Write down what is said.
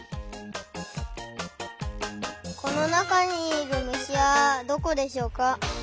このなかにいるむしはどこでしょうか？